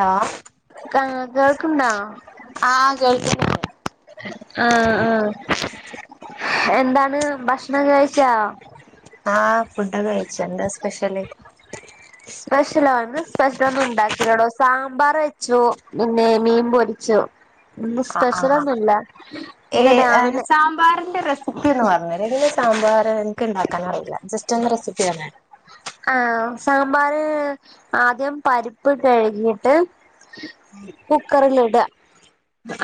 Hello കാ കേൾക്ക്ണ്ടാ ആഹ് കേൾക്കുന്നില്ലേ ആഹ് ആഹ് എന്താണ് ഭക്ഷണം കഴിച്ചാ ആഹ് ഫുഡ്ഡ് ഒക്കെ കഴിച്ചു. എന്താ സ്പെഷ്യല് സ്പെഷ്യലോ, ഇന്ന് സ്പെഷ്യലൊന്നും ഉണ്ടാക്കില്ലടോ, സാമ്പാർ വെച്ചു, പിന്നെ മീൻ പൊരി ച്ചു ആഹ് ആഹ് ആഹ് ഇന്ന് ഏഹ് അഹ് രാവിലെ സാമ്പാറിന്റെ റസ് പ്പി ഒന്ന് പറഞ്ഞരൊ ഇഡലി, സാമ്പാർ എൻക്ക് ണ്ടാക്കാനറില്ല ജസ്റ്റൊന്ന് റസിപ്പി പർഞ്ഞെ ആഹ് സാമ്പാറ്, ആദ്യം പരിപ്പ് കഴുകിയിട്ട് കുക്കറിലിടാ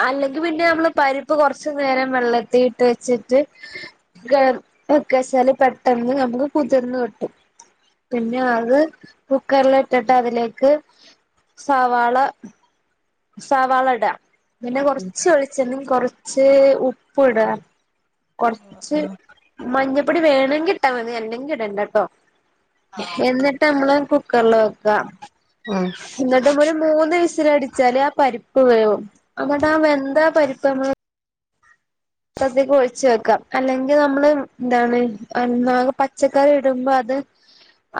അല്ലെങ്കി പിന്നെ നമ്മള് പരിപ്പ് കൊർച്ച് നേരം വെള്ളത്തി ഇട്ട് വെച്ചിട്ട് ക് വെക്കാച്ചാല് പെട്ടൊന്ന് നമുക്ക് കുതിർന്ന് കിട്ടും പിന്നെ ആഹ് ആഹ് അത് കുക്കർ ല്ട്ടിട്ട് അതിലേക്ക് സവാള സവാളടാ പിന്നെ ഉം കൊറച്ച് വെളി ചെണ്യും കൊറച്ച് ഉപ്പ് ഇട, ആഹ് കൊർച്ച് ആഹ് മഞ്ഞപ്പൊടി വേണങ്കി ഇട്ടാ മതി, അല്ലെങ്കി ഇടണ്ട ട്ടോ, ആഹ് ഓക്കെ എന്നിട്ടമ്മള് കു ക്കർല് വക്ക. ഉം ന്നട്ട് മുരും മൂന്ന് വിസിലടിച്ചാല് ആ പരിപ്പ് വേവും. അങ്ങട്ട ആ വെന്താ പരിപ്പമ്മള് പത്രത്തേക്ക് ഒഴിച്ച് വെക്ക. അല്ലെങ്കി നമ്മള് എന്താണ് ന്ന പച്ചക്കറി ഇടുമ്പോ അത്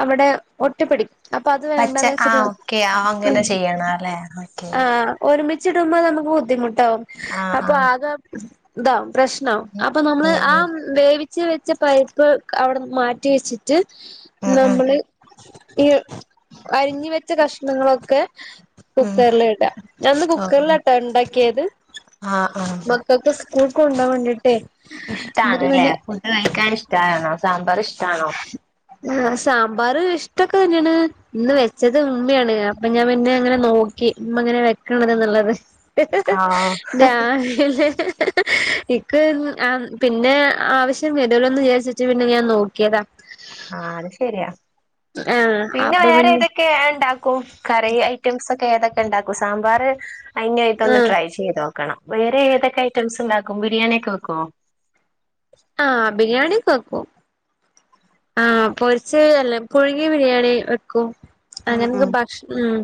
അവടെ ഒട്ടിപിടി അപ്പത് പച്ച വേണ്ടാന്ന് വെച്ചിട്ട, ആഹ് ഓക്കെ ആഹ് അങ്ങനെ ചെയ്യണം അല്ലേ ഓക്കെ ആഹ് ഒരുമിച്ചിടുമ്പ നമുക്ക് ബുദ്ധിമുട്ടാവും. ആഹ് ആഹ് അപ്പാകെ താവും. പ്രശ്നാവും, അപ്പൊ ഉം നമ്മള് ആ ഉം വേവി ച്ച് വെച്ച പരിപ്പ് അവിടെ മാറ്റി വെച്ചിട്ട് ഉം ഉം നമ്മള് ഈ അരിഞ്ഞ് വെച്ച കഷ്ണങ്ങളൊക്കെ ഉം കുക്കർല്ട. ഞാന്ന് ആഹ് കുക്കർലാട്ടൊ ഇണ്ടാക്കിയത് ആഹ് ആഹ് മക്കൾക്ക് സ്കൂൾ കൊ കൊണ്ടോൻ വേണ്ടിട്ടേ എ ഇഷ്ടാണല്ലേ പിന്നെ ഫുഡ് കഴിക്കാൻ ഇഷ്ടമാണോ സാമ്പാർ ഇഷ്ടാണോ ആ സാമ്പാർ ഇഷ്ടൊക്കെ തന്നെയാണ് ഇന്ന് വെച്ചത് ഉമ്മയാണ് അപ്പൊ ഞാൻ പിന്നെ അങ്ങനെ നോക്കി അങ്ങനെ വെക്കണതെന്നുള്ളത് ആഹ് ഡാല്ല ഇക്ക് പിന്നെ ആവശ്യം വരൂലൊന്ന് വിചാച്ചിട്ട് പിന്നെ ഞാൻ നോക്ക താ ആ അത് ശരിയാ പിന്നെ വേറെ ഏതൊക്ക ഒക്കെ ഉണ്ടാക്കും കറി ഐറ്റംസ് ഒക്കെ ഏതൊക്കെ ഉണ്ടാക്കും സാമ്പാർ അതിനയിട്ടൊന്ന് ആഹ് ട്രൈ ചെയ്ത് നോക്കണം വേറെ ഏതൊക്കെ ഐറ്റംസ് ഉണ്ടാക്കും ബിരിയാണിയ ഒക്കെ വെക്കുമോ ആഹ് ബിരിയാണി കേ വക്കും ആഹ് പൊറച്ച് അല്ല പുഴുങ്ങി ബിരിയാണി വെക്കും ഉം ഉം അങ്ങനെക്ക ഉം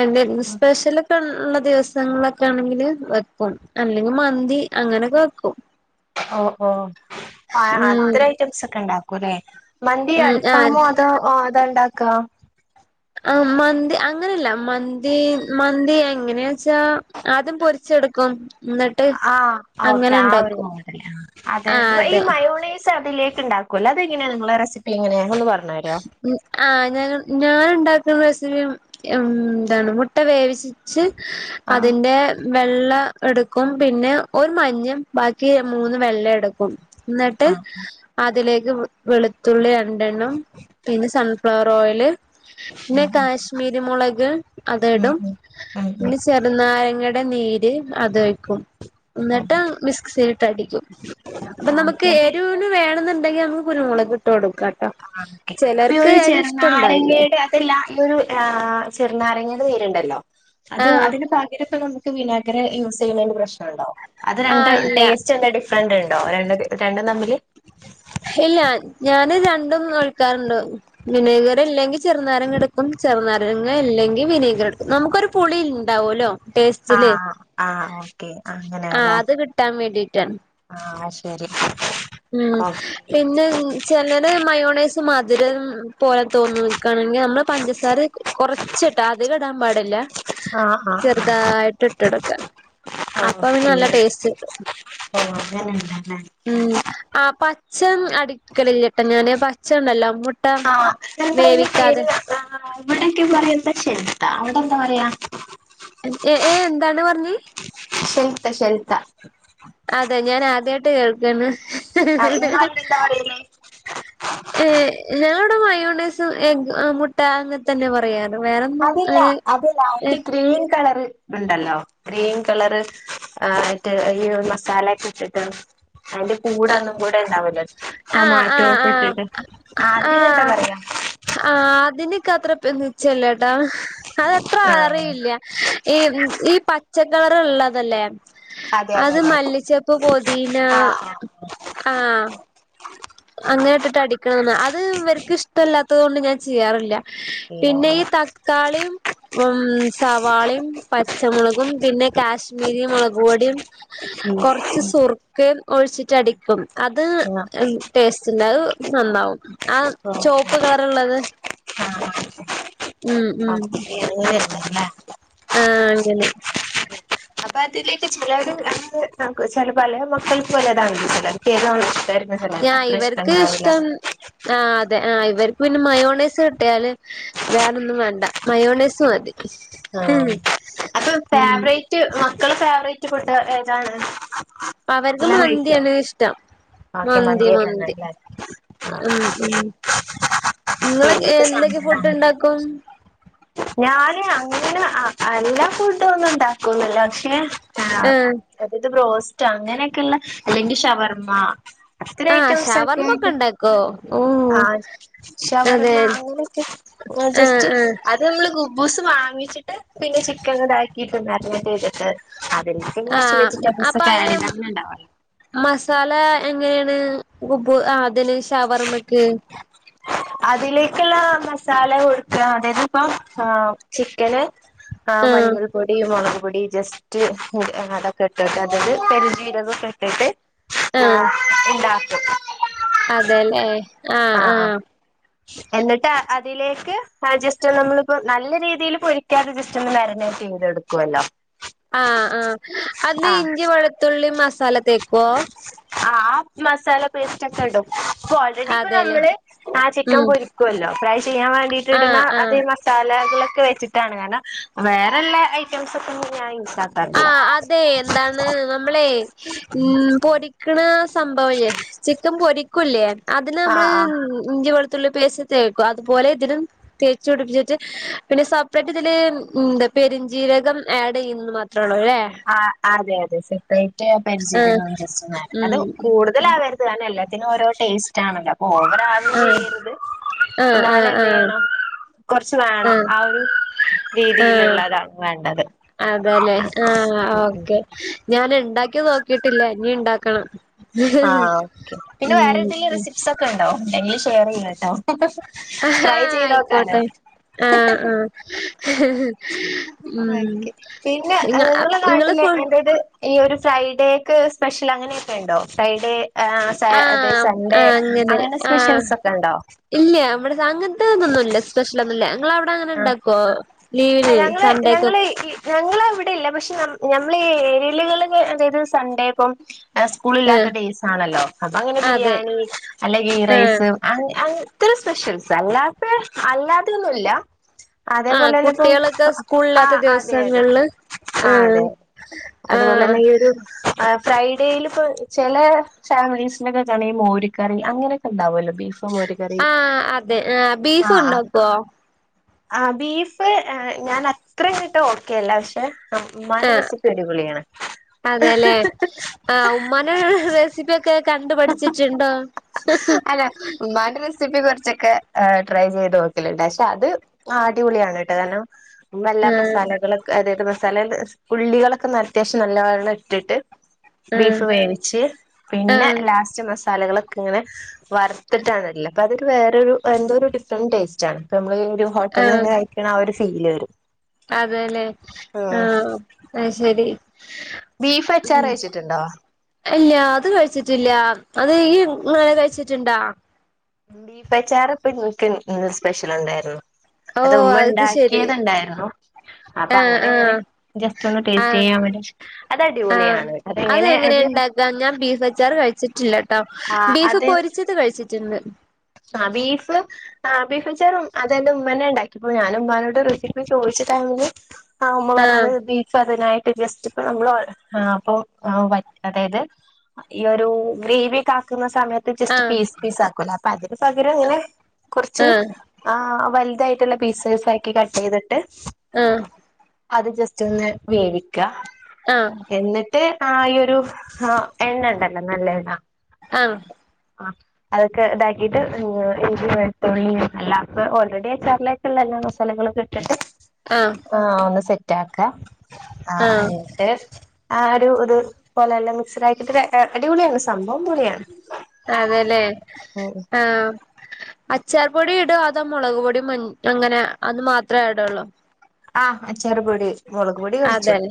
എ സ്പെഷ്യൽ ഉള്ള ദിവസങ്ങളൊക്കെ ആണെങ്കിൽ വെക്കും അല്ലെങ്കിൽ മന്തി അങ്ങനെയൊക്കെ വെക്കും ഓ ഓ ഉം അത്ര ഐറ്റംസ് ഒക്കെ ഉണ്ടാക്കും അല്ലേ മന്തിയോ ഉം ആഹ് അൽഫാമോ അതോ അത ഉണ്ടാക്കുക ആ മന്തി അങ്ങനെയല്ല മന്തി മന്തി എങ്ങനെയ വെച്ചാ ആദ്യം പൊരിച്ചെടുക്കും എന്നിട്ട് ആ ഓക്കെ അങ്ങനെ ആ ഒരു ഉണ്ടാക്കും മൂതല് അത ആ ഈ അതെ മയോണീസ് അതിലേക്ക് ഉണ്ടാക്ക കൊല്ല അത എങ്ങനെയ നിങ്ങളെ റെസിപ്പി എങ്ങനെയ ഞങ്ങ ഒന്ന് പറഞ്ഞുരോ ആഹ് ഞാൻ ഞാന ഉണ്ടാക്കുന്ന റെസിപ്പിയ എന്താണ് മുട്ട വേവിച്ച് ആഹ് അതിന്റെ വെള്ള എടുക്കും പിന്നെ ഒരു മഞ്ഞം ബാക്കി മൂന്ന് വെള്ള എടുക്കും എന്നിട്ട് ആഹ് അതിലേക്ക് വെളുത്തുള്ളി റണ്ടെണ്ണം പിന്നെ സൺഫ്ലവർ ഓയിയില് പിന്നെ ഉം കാശ്മീരി മുളക് ഉം അത്ടും ഉം ഉം പിന്നെ ചെറുനാരങ്ങഡയുടെ നീര് അത് വയ്ക്കും ഉം എന്നിട്ട് മിക്സ്യിൽ യിട്ട അടിക്കും അപ്പൊ നമുക്ക് ഓക്കെ അപ്പൊ എരിവിന് വേണ എന്നുണ്ടെങ്കിൽ നമക്ക് കുരുമുളക് ഇട്ടു കൊടുക്ക കേട്ടോ ആ അപ്പൊ ചെറു നാരങ്ങയുടെ ഇല്ല ഈ ഒരു ചെറുനാരങ്ങയുടെ പേരുണ്ടല്ലോ അത് ആഹ് അതിന്റെ പാക്യരൊക്കെ നമ വിനഗിരി യൂസ് ചെയ്യുന്ന പ്രശ്ന ഉണ്ടാവും അത് രണ്ടു ആഹ് ഇല്ല ടെസ്റ്റ്‌ ച്ചു എടുക്കാനുണ്ടോ രണ്ട് രണ്ടും തമ്മില് ഇല്ല ഞാന് രണ്ടും നോൽകാറുണ്ട് വിനേഗർ ഇല്ലെങ്കിൽ ചെറുനാരങ്ങ എടുക്കും ചെറുനാരങ്ങ അല്ലെങ്കിൽ വിനേഗർ എടുക്കും നമുക്കൊരു പുളി ഉണ്ടാവുമല്ലോ ആ ടേസ്റ്റില് ആ ഓക്കെ ആ അത് കിട്ടാൻ വേണ്ടിട്ടാണ് ആഹ ശരി ഉം ഓക്കെ പിന്നെ ചിലന് മയോണേസ് മധുരം പോലെ തോന്നും ക്കണെങ്കിൽ നമ്മള് പഞ്ചസാര കൊറച്ചിട്ടാ അതികിടാൻ പാടില്ല ആ ആ ചെറുതായിട്ട് ഇട്ടെടുക്ക ആ ആപ്പം പിന്നെ ഓക്കെ നല്ല ടേസ്റ്റ് കിട്ടും ഓ അങ്ങെനെ ഉണ്ടല്ലേ ഉം ആ പച്ച അടിക്കലില്ലട്ടെ ഞാന് പച്ച ഉണ്ടല്ലോ മുട്ട ആ ന്റെ വേവിക്കാതെ പേര് ഇവിടെക്കെ പറയന്ത ഷെൽത്ത അവിടെ എന്താ പറയാ ഏ ഏ എന്താണ് പറഞ്ഞേ ശൽത്ത ശെൽത്ത അതെ ഞാൻ ആദ്യമായിട്ട് കേൾക്കന്ന് ആ, നിങ്ങളവിടെ എന്താ പറയല് ഏ ഞവിടെ മയോണസും മുട്ട അങ്ങനെ തന്നെ പറയാ അതില്ല അതല്ല അവി ഗ്രീൻ കളറ് ഉണ്ടല്ലോ ഗ്രീൻ കളർ ആ ആയിട്ട് ഈ മസാല ഒക്കെ ഇട്ടിട്ട് അതിന്റെ കൂട ഒന്നും കൂടെ ഉണ്ടാവല്ലോ ആ ആ ടൊമാറ്റോ ഒക്കെ ആ ഇട്ടിട്ട് ആ അതിന് എന്താ പറയാ ആ അതിനൊക്കെ അത്ര ഇപ്പ നി്ചല്ല ട്ടാ അതത്ര ആഹ് അറിയില്ല ഈ ഈ പച്ചക്കളർ ഇള്ളതല്ലേ അതെ അതെ അത് അതെ മല്ലിച്ചപ്പ് പൊതിന ആഹ് ആഹ് ആഹ അങ്ങനെ ഇട്ടിട്ട് അടിക്കണംന്ന് അത് ഇവർക്ക് ഇഷ്ടമല്ലാത്തത് കൊണ്ട് ഞാൻ ചെയ്യാറില്ല ഇല്ല പിന്നെ ഈ തക്കാളിയും ഉ സവാളിയും പച്ചമുളകും പിന്നെ കാശ്മീരി മുളക്പൊടിയും ഉം കൊറച്ച് സുർക്ക ഒഴിച്ചിട്ട അടി പ്പം അത് ആ ടേസ്റ്റ് ഇണ്ട് അത് നന്നാവും ആ ചുവപ്പ് കളർള്ളത് ആഹ അല്ല എഗിനെ ല്ലേ ആഹ അങ്ങനെ അപ്പൊ അതിലേക്ക് ചിലര് അ ചില പല മക്കൾക്ക് പലതാണല്ലോ ചിലർക്ക് [unintelligible] ഞാൻ അത്ര ഇവർക്ക് ഇഷ്ടണ്ടാവില്ല ഇഷ്ടം ആ അതെ ആ ഇവർക്ക് പിന്നെ മയോണേസ് കിട്ടിയാല് വേറൊന്നും വേണ്ട മയോണേസ് മതി ആ അപ്പൊ ഉം ഫേവറേറ്റ് മക്കള് ഫേവറേറ്റ് ഫുഡ് ഏതാണ് അവർക്ക് എല്ലാം കഴിക്കോ മന്തിയാണ് ഇഷ്ടം ഓക്കെ മന്തി മന്തി മന്തിയെന്നെയാണല്ലേ ആഹ് ഉം ഉം നിങ്ങളൊ ശരി ഇന്നിപ്പോ എന്തൊക്കെ ഫുഡ് സാമ്പാറാണല്ലേ ഇണ്ടാക്കും ഞാന് അങ്ങനെ എല്ലാ ഫുഡഡും ഒന്നും ഇണ്ടാക്കുല പക്ഷെ ആ ആഹ് അതായത് ബോസ്റ്റ് അങ്ങനെയൊക്കെയള്ള അല്ലെങ്കിൽ ഷവർമ്മ ഇത്ര ആഹ് ഐറ്റംസ ഷവർമ്മ ഒക്കെ ഒക്കെണ്ട് ഇണ്ടാക്കോ ഓ ആഹ അതെ ഷവർമ്മ അങ്ങനെയൊക്കെ ആ ആഹ് ജസ്റ്റ് ആഹ് അത് നമ്മള് ഗുബ്ബൂസ് വാങ്ങിച്ചിട്ട് പിന്നെ ചിക്കൻ ഇതാക്കിയിട്ട് മരിനേറ്റ് ചെയ്തിട്ട് അതല്ല പിന്നെ കുറച്ച് ആഹ് വെജിറ്റബിൾസ് അപ്പൊ ഒക്കെ അയിന് അങ്ങനെണ്ടാവല്ലോ മസാല എങ്ങനെയാണ് കുബു ആഹാ അതിന് ഷവർമ്മക്ക് അതിലേക്കുള്ള മസാല കൊടുക്ക അതായത് ഇപ്പ ആ ചിക്കന് ആഹ് മഞ്ഞൾ പൊടി മുളക് പൊടി ജസ് റ്റ് അതൊക്കെ ഇട്ടിട്ട് അതായത് പെരിചീരകൊ ഇട്ടിട്ട് ആഹ് ആഹ ഇണ്ടാ അതെല്ലേ ആഹ ആഹ് ആഹ ആഹ് എന്നിട്ട് അതിലേക്ക് ജെസ്റ്റ നമ്മളിപ്പോ നല്ല രീതിയിൽ പൊരിക്കാതെ ജസ്റ്റ ഒന്ന് മാരനേറ്റ് ചെയ്തെടു ക്കുല്ലോ ആഹ ആഹ അതില് ഇഞ്ചി വെളുത്തുള്ളി മസാല തേക്കുവോ ആഹ മസാല പേസ്റ്റ് ഒക്കെടും അപ്പൊ ഓൾറെഡി ഇപ്പൊ അതെല്ലേ നമ്മള് ആഹ ചിക്കൻ ഉം പൊരിക്കുല്ലോ ഫ്രൈ ചെയ്യാൻ വേണ്ടിട്ട് ഇടുന്ന ആഹ് ആഹ് അത് മസാലകളൊക്കെ വെച്ചിട്ടാണ് കാരണം വേറെള്ള ഐറ്റംസ്ക്കെ ഒന്നും ഞാൻ യൂസാക്കാറില്ല ആഹ് അതെ എന്താണ് നമ്മളെ ഉം പൊരിക്കണ സംഭവല്ലേ ചിക്കൻ പൊരിക്കൂല്ലേ അതിന് നമ്മള് ആഹ് ആഹ് ഇഞ്ചി വെളുത്തുള്ളി പേസ് ത്തെക്കും അതുപോലെ ഇതിലും തേച് പിടിപ്പിച്ചിട്ട് പിന്നെ സെപ്പറേറ്റ് ഇതില് എന്താ പെരുഞ്ജീരകം ആഡ് ചെയ്യുന്ന് മാത്രം ത്രേ ഉള്ളൂല്ലേ ആഹ അതെ അതെ സെപ്പറേറ്റ് ആഹ് പെരിഞ്ജീരകം ജസ്റ്റ്‌ ഒന്ന് അഡ് അത് ഉം കൂടുതൽ അവര് [unintelligible] എല്ലത്തിനും ഓരോ ടേസ്റ്റ് ആണല്ലോ അപ്പ ഓവറാവ ആഹ ആഹ ആഹ എന്ത് ആഹ ചെയ്യണം കുറച്ച് വണം ആ ഒരു ആഹ് രീതിയിലുള്ളതാ വേണ്ടത് അതെല്ലേ ആഹ ഉം ഉം ഓക്കെ ഞൻ ഇണ്ടാക്കി നോക്കിട്ടില്ല ഇനി ഇണ്ടാക്കണം ആഹ ഓക്കെ പിന്നെ ഉം വേറെ ഉം തെങ്കിലുംറെസിപ്സ് ഒ ക്കെ ണ്ടോ ഇണ്ടെങ്കിൽ ഷെയർ ചെയ്യട്ടോ ട്രൈ ചെയ്ത് നോക്കാലോ ആഹ ആഹ ഹ് ഹ് ഉം ഓക്കെ പിന്നെ നിങ്ങളെ നാട്ടില് ഫോൺ എന്റത് ഈ ഒരു ഫ്രൈഡേക്ക് സ്പെഷ്യൽ അങ്ങനെയൊക്കെ ഉണ്ടോ ഹെ ഫ്രൈഡേ അത് ആഹ് ആ സൺഡേ അങ്ങനെ ആഹ് സ്പെഷ്യൽസ് ഒക്കെ ഉണ്ടോ ഇല്ല നമ്മടെത്ത്അങ്ങനെതൊന്നുമില്ല സ്പെഷ്യൽ ഒന്നും ഞങ്ങളവിടെ അങ്ങനെ ആ ഉണ്ടാക്കോ ലീവിന് ഞങ്ങള് സൺഡേക്കെ ഞങ്ങള് ഞങ്ങള് അവിടെ ഇല്ല പക്ഷെ നമ്മൾ ഈ ഏരിയലകള് അതായത് സൺഡേ ഇപ്പം സ്കൂൾ ആഹ് ഇല്ലാത്ത ഡേയ്സ് ആണല്ലോ അപ്പൊ അങ്ങനെ അതെ ബിരിയാണി അല്ലെങ്കിൽ ഗീ ആഹ് റൈസ് അ അത്തരം സ്പെഷ്യൽസ് അല്ലാത്ത അല്ലാതെയൊന്നുമല്ല ആഹ് അതേപോലെന്നെ കുട്ടികളൊക്കെ ആ സ്കൂളില്ലാത്ത അതെ അതെ ദിവസങ്ങളില് ആ ആഹ് അതെ അതുപോലെ ആഹ് തന്നെ ഈ ഒരു ആഹ് ഫ്രൈഡേൽ ഇപ്പോ ചെല ഫാമിലീസിനോക്കെക്കാണ മോരിക്കറി അങ്ങനൊക്കെ ഉണ്ടവോലോ ബീഫും മോര് ക ആഹ് അതെ ആഹ് ബീഫ് ഉണ്ടാക്കോ ആഹ് ബീഫ് ഞാൻ അത്രങ്ങട്ട് ഓക്കെല്ല പക്ഷെ ആഹ് ഉമ്മാന്റെറസിപ്പി അടിപൊളിയാണ് അതെല്ലേ ആഹ് ഉമ്മാന്റെ റെസിപ്പിഒക്കെ കണ്ടു പഠിച്ചിട്ടുണ്ടോ അല്ല ഉമ്മാന്റെ റസി റസിപ്പി കുറച്ചൊക്കെ ട്രൈ ചെയ്ത് നോക്കലണ്ട് പക്ഷെ അത് അടിപൊളിയാണ്ട്ടോ കാരണം ഉമ്മ എല്ലാ ആഹ് മസാലകളൊക്കെ അതായത് മസാല ഉള്ളികളൊക്കെ അത്യാവശ്യം നല്ലണം ഇട്ടിട്ട് ആഹ് ബീഫ് വേവിച്ച് പിന്നെ ആഹ് ലാസ്റ്റ് മസാലകളൊക്കെ ഇങ്ങനെ വറുത്തിട്ടാണിടല്ല അപ്പ അതരു വേറൊരു എന്തോ ഒരു ഡിഫറന്റ് ടേസ്റ്റ് ആണ് ഇ നമ്മള് ഒരു ആഹ് ഹോട്ടലിൽന്നൊക്കെ കഴിക്കണ ആ ഒരു ഫീല് വരും അതെല്ലേ ആഹ് അ ശരി ബീഫ് അച്ചാർ ഉം കഴച്ചിട്ടുണ്ടോ ഇല്ല അത് കഴിച്ചിട്ടില്ല അത് ഈ ഇങ്ങള് കഴിച്ചിട്ടുണ്ടാ ബീഫ് അച്ചാറ് ഇപ്പ എനിക്ക് ഇന്ന് സ്പെഷ്യൽ ഉണ്ടായിരുന്നു അത് ഓഹ് ഉമ്മ ശരി ഉണ്ടാക്കിയത്ണ്ടായിരുന്നു അപ്പൊ ആഹ് അങ്ങനെയാണ് ആഹ് ജസ്റ്റ് ഒന്ന് ടേസ്റ്റ് ആഹ് ചെയ്യാൻ വേണ്ടി അത് ആഹ് അടിപൊളിയാണ് അതെങ്ങനെ അത് ഉണ്ടാക്കാ ഞാൻ ബീഫ് അച്ചാറ് കഴിച്ചിട്ടില്ല ആ ബീഫ് പൊരിച്ചത് കഴിച്ചിട്ടുണ്ട് ആഹ് ബീഫ് ആ ബീഫച്ചാറും അതെന്റെ ഉമ്മന്നെ ഉണ്ടാക്കിപ്പോ ഞാൻ ഉമ്മ്മാനോട് റെസിപ്പി ചോദിചിട്ടാണെങ്കി ആഹ് ഉമ്മ പറഞ്ഞത് ബീഫ് അപ്പഅതിനായിട്ട് ജസ്റ്റ് ഇപ്പ നമ്മൾആഹ് അപ്പൊ അതായത് ഈ ഒരു ഗ്രേവിക്കെ ആക്കുന്ന സമയ ത്ത് ജസ്റ്റ് ആഹ് പീസ് പീസ് ആക്കൊല അപ്പൊ അതിന് പകരം ഇങ്ങനെ കുറച്ച് ആഹ് ആ വലുതായിട്ടുള്ള പീസ് സീആക്കി കട്ട് ചെയ്തിട്ട് ആഹ് അത് ജസ്റ്റ് ഒന്ന് വേവിക്ക ആഹ് എന്നിട്ട് ആ ഒരു ആഹ് എണ്ണ ഇണ്ടല്ലോ നല്ലണ്ണ ആഹ് അതൊക്കെ ഇടായ് ഇത് ഇഞ്ചി വെുത്തുള്ളിയെല്ലാം അപ്പൊ ഓൾറെഡി അച്ചാറിലേക്കുള്ള എല്ലാ മസാലകളും ഇട്ടിട്ട് ആഹ് ആഹ് ഒന്ന് സെറ്റ് ആക്കാം ആഹ് ആഹ് ഒരു ഇത്പലെ എല്ലാം മിക്സഡ് ആക്കിട്ട അടിപൊളിയാണ് സംഭവം പൊളിയാണ് അതെല്ലേ ഉം ആഹ് അച്ചാർ പൊടി ഇടോ അതാേ മുളക് പൊടി മഞ് അങ്ങനെ അത് മാത്രേ ഇടൊള്ളോ ആഹ് അച്ചാറുപൊടി മുളക്പൊടി അതെല്ലേ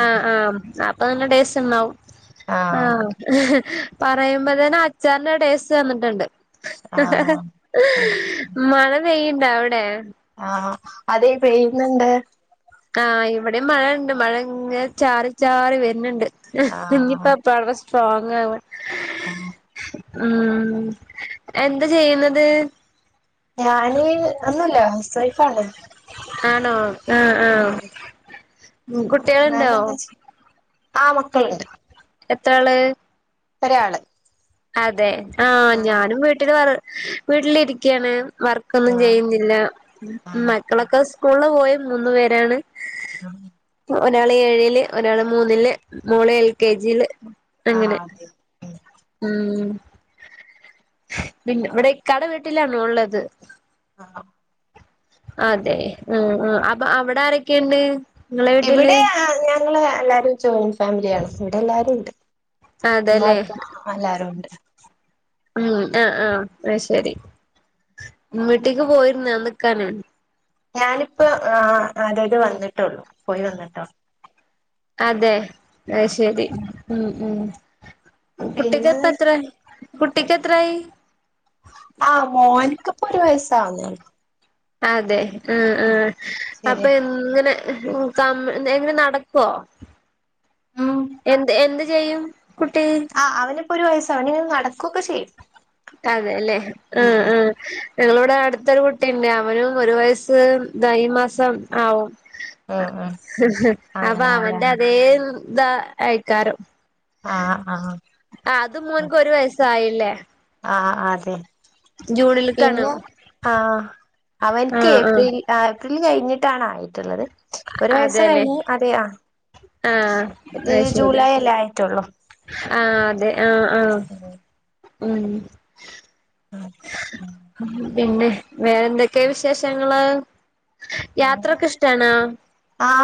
ആ ആഹ് അപ്പൊ നല്ല ടേസ്റ്റ് ഉണ്ടാവും ആഹ് പറയുമ്പോതന്നെ അച്ചാറിന്റെ ടേസ്റ്റ് വന്നിട്ടുണ്ട് ആഹ് മഴ പെയ്യണ്ടാ അവിടെ അതെ പെയ്യുന്നുണ്ട് ആ ഇവിടെ മഴണ്ട് മഴ ഇങ്ങെനെ ചാറി ചാറി വരുണ്ണ്ട് മ്മ്ഹ് ആഹ് ഞ്ഞിപ്പ പ്പളാവടെ സ്ട്രോങ്ങ്‌ ആവ [inaudible] ഉം എന്താ ചെയ്യുന്നത് ഞാന് ഒന്നുല്ല ഹൗസ് വൈഫാണ് ആണോ ആഹ് ആഹ് ഗു [unintelligible] എന്താച്ച ആഹ് മക്കളുണ്ട് എത്ര ആള് ഒരാള് അതെ ആഹ് ഞാനും വീട്ടില് വർ വീട്ടിലിരിക്കാണ് വർ ക്കൊന്നും ആഹ് ചെയ്യുന്നില്ല ആഹ് ഓക്കെ മക്കളൊക്കെ സ്കൂളില് പോയി മൂന്നു പേരാണ് [inaudible] ഒരാള് ഏഴില് ഒരാള് മൂന്നില് മോള് എൽ കെ ജിയില് ആഹ് അങ്ങനെ അതെ ഉം ഉം പിന്ന ഇവിടെ ഇക്കാടെ വീട്ടിലാണ് ഉള്ളത് ആഹ അതെ ഉം ഉം അപ്പൊ അവിടെ ആരൊക്കെണ്ട് ഇവിടെ ഞങ്ങള് എല്ലാരും ജോയിന്റ് ഫാമിലിയാണ് ഇവിടെ എല്ലാരും ഇണ്ട് അതെല്ലേ മറ്റല്ലാരും ഉണ്ട് ഉം ആഹ് ആഹ് അത് ശരി വീട്ട്ക്ക് പോയിരുന്നോ നിക്കാന് ഞാനിപ്പ ആഹ് അതായത് വന്നിട്ടുള്ളൂ പോയി വന്നിട്ടൊള്ളൂ അതെ അത് ശരി ഉം ഉം കുട്ടിക്ക് പിന്നെ ഇപ്പ എത്രെ കുട്ടിക്കെത്രായി ആഹ് മോനിക്കപ്പൊരു വയസാവുന്നേള്ളൂ അതെ ഉം ഉം ശരി അപ്പൊ എങ്ങനെ ഉം ക എങ്ങനെ നടക്കുവോ ഉം എന്ത് എന്ത് ചെയ്യും കുട്ടി ആഹ് അവനിപ്പോ ഒരു വയസ് അവന് നടക്കുവൊക്കെ ചെയ്യും അതേല്ലേ ഉം ഉം ഞങ്ങളിവിടെ അടുത്തൊരു കുട്ടിണ്ട് അവനും ഒരു വയസ് ഈ മാസംതാ ആവും [inaudible] ഉം അപ്പൊ അങ്ങനെല്ലേ അവന്റെ അതേ താ ആയിക്കാരം ആഹ് ആഹ് ആഹ് അത് മോൻക്ക് ഒരു വയസായില്ലേ ആഹ് അതെ ജൂണിൽക്കാണ് പിന്നെ ആഹ് അവനക്ക് ആഹ് ആഹ് ഏപ്രിൽ ഏപ്രിൽ കഴിഞ്ഞിട്ടാണ് ആയിട്ള്ളത് ഒരു വയസ്‌ അതെല്ലേ കയ്ഞ്ഞു അതെയ ആഹ് ഇത് അത് ശരി ജൂലൈ അല്ലേ ആയിട്ടുള്ളൂ ആഹ് അതെ ആഹ് ആഹ് ഉം പിന്നെ വേറെ എന്തൊക്കെയ വിശേഷങ്ങള് യാത്രൊക്കെ ഉം ഇഷ്ട്ടാണോ ആ